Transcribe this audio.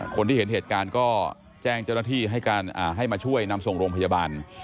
คนที่เห็นเหตุการณ์ก็แจ้งเจ้าหน้าที่ให้การให้มาช่วยนำส่งโรงพยาบาล